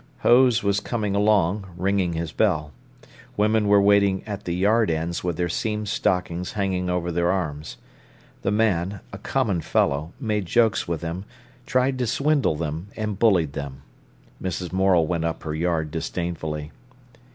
Hose was coming along, ringing his bell. Women were waiting at the yard ends with their seamed stockings hanging over their arms. The man, a common fellow, made jokes with them, tried to swindle them, and bullied them. Mrs. Morel went up her yard disdainfully.